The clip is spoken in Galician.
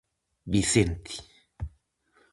Vicente.